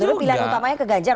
justru pilihan utamanya ke ganjar